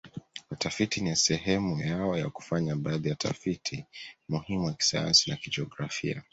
watafiti ni sehemu yao ya kufanya baadhi ya tafiti muhimu wa kisayansi na kijografia